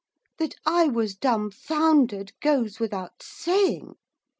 That I was dumfoundered, goes without saying.